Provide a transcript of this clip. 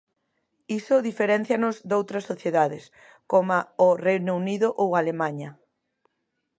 Iso diferéncianos doutras sociedades, coma o Reino Unido ou Alemaña.